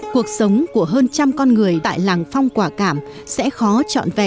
cuộc sống của hơn trăm con người tại làng phong quả cảm sẽ khó trọn vẹn